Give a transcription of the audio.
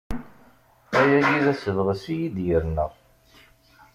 Ayagi d asebɣes i yi-d-yerna.